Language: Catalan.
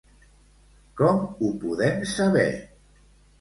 Com ho podem saber?